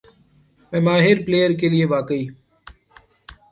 میں ماہر پلئیر کے لیے واقعی